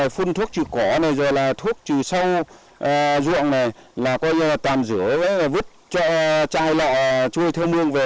phun thuốc trừ cỏ thuốc trừ sâu ruộng tàm rửa vứt chai lọ chui theo mương về